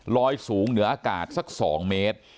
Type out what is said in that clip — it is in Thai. ลอยสูงเหนืออากาศสัก๒เมตร